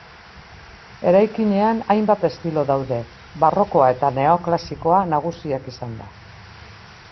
Eraikinean hainbat estilo daude, barrokoa eta neoklasikoa nagusiak izanda.